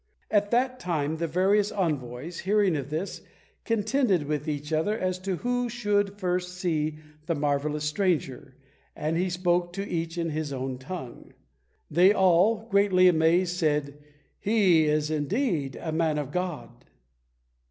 At that time the various envoys, hearing of this, contended with each other as to who should first see the marvellous stranger, and he spoke to each in his own tongue. They all, greatly amazed, said, "He is indeed a man of God."